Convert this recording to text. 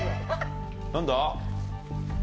何だ？